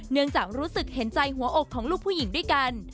รู้สึกเห็นใจหัวอกของลูกผู้หญิงด้วยกัน